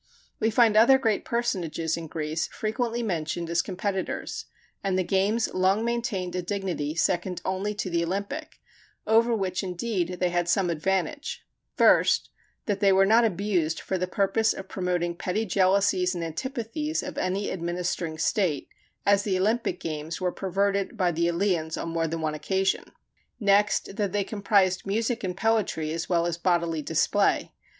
We find other great personages in Greece frequently mentioned as competitors, and the games long maintained a dignity second only to the Olympic, over which indeed they had some advantages; first, that they were not abused for the purpose of promoting petty jealousies and antipathies of any administering state, as the Olympic games were perverted by the Eleans on more than one occasion; next, that they comprised music and poetry as well as bodily display.